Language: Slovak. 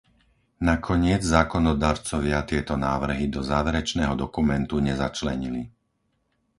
Nakoniec zákonodarcovia tieto návrhy do záverečného dokumentu nezačlenili.